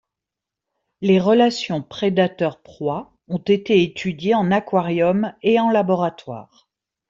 Les relations prédateur-proie ont été étudiées en aquarium et en laboratoire.